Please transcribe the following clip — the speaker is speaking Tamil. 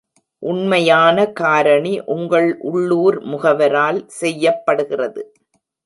உண்மையான காரணி உங்கள் உள்ளூர் முகவரால் செய்யப்படுகிறது.